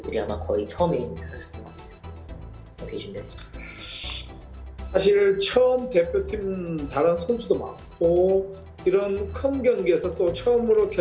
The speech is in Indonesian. tapi mereka masih sedang menunggu